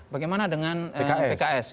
bagaimana dengan pks